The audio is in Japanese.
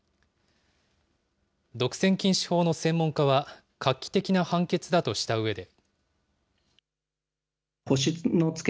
独占禁止法の専門家は、画期的な判決だとしたうえで。